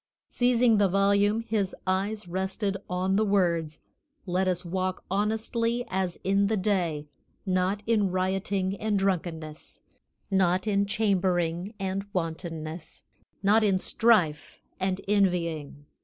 Seizing the volume, his eyes rested on the words, "Let us walk honestly as in the day; not in rioting and drunkenness, not in chambering and wantonness, not in strife and envying.